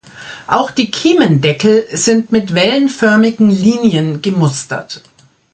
Auch die Kiemendeckel sind mit wellenförmigen Linien gemustert.